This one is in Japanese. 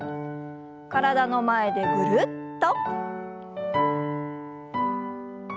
体の前でぐるっと。